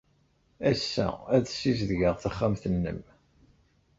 Ass-a, ad ssizedgeɣ taxxamt-nnem.